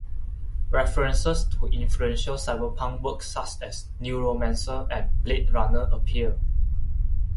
References to influential cyberpunk works such as "Neuromancer" and "Blade Runner" appear.